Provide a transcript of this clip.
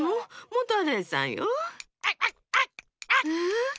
モタレイさんよ。え？